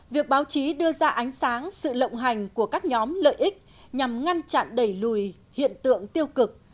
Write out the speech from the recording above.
việc báo chí đưa ra ánh sáng sự lộng hành của các nhóm lợi ích nhằm ngăn chặn đẩy lùi hiện tượng tiêu cực